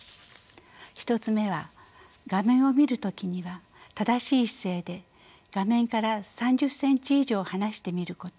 １つ目は画面を見る時には正しい姿勢で画面から３０ｃｍ以上離して見ること。